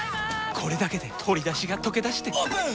これだけで鶏だしがとけだしてオープン！